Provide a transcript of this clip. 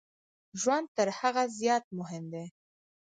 ژوند تر هغه زیات مهم دی.